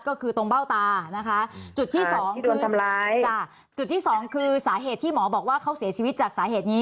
ก็คือตรงเบ้าตาจุดที่สองคือสาเหตุที่หมอบอกว่าเขาเสียชีวิตจากสาเหตุนี้